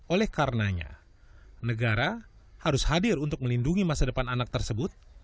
oleh karenanya negara harus hadir untuk melindungi masa depan anak tersebut